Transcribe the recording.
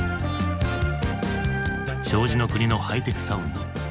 障子の国のハイテクサウンド。